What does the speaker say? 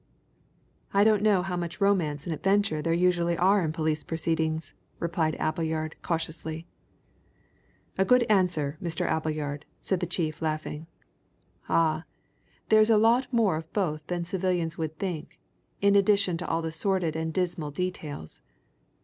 "I don't know how much romance and adventure there usually are in police proceedings," replied Appleyard cautiously. "A good answer, Mr. Appleyard," said the chief laughing. "Ah, there's a lot more of both than civilians would think, in addition to all the sordid and dismal details.